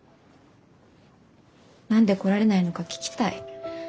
何で来られないのか聞きたい。